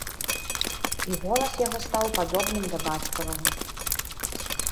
І голас яго стаў падобным да бацькавага.